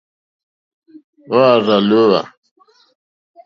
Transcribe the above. Hwá àrzà lǒhwà.